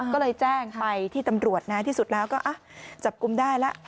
ก็เลยแจ้งไปที่ตำรวจนะที่สุดแล้วก็จับกลุ่มได้แล้ว